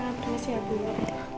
sama sama makasih ya bu